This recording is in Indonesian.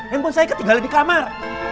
handphone saya ketinggalan di kamar